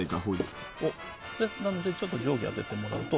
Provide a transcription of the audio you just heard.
なのでちょっと定規を当ててしまうと。